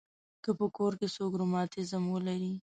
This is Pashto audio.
که په کور کې څوک رماتیزم ولري.